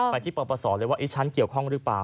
ไปที่ปปศเลยว่าฉันเกี่ยวข้องหรือเปล่า